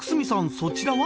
そちらは？